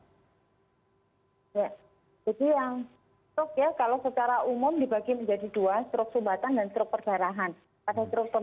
jadi yang stroke ya kalau secara umum dibagi menjadi dua stroke sumbatan dan stroke perdarahan